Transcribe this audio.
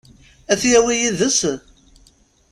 Ad t-yawi yid-s?